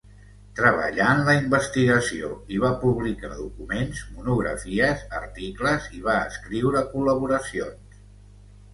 Treballà en la investigació i va publicar documents, monografies, articles i va escriure col·laboracions.